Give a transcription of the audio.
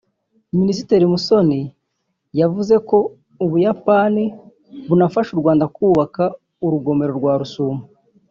Minisitiri Musoni yavuze ko u Buyapani bunafasha u Rwanda kubaka urugomero rwa Rusumo